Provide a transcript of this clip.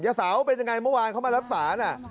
ย่าสาวเป็นยังไงเหมือนเมื่อวานเข้ามารับสาร